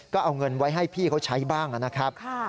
ก็เอาเงินไว้ให้พี่เขาใช้บ้างนะครับ